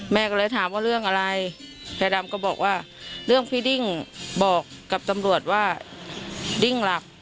แม่ก็เลยถามว่าเรื่องอะไรยายดำก็บอกว่าเรื่องพี่ดิ้งบอกกับตำรวจว่าดิ้งหลัก